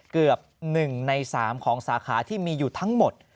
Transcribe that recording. เกือบ๑ใน๓ของสาขาที่มีอยู่ทั้งหมด